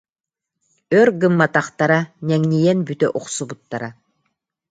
Өр гымматахтара, ньэҥнийэн бүтэ охсубуттара